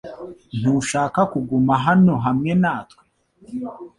Ntushaka kuguma hano hamwe natwe?